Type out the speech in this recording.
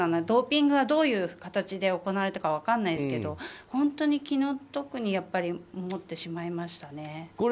ドーピングが、どういう形で行われたか分からないですけど本当に気の毒に思ってしまいましたね。